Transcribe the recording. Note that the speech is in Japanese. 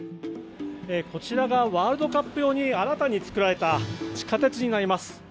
こちらがワールドカップ用に新たに作られた地下鉄になります。